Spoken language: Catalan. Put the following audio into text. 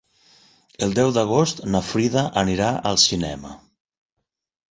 El deu d'agost na Frida anirà al cinema.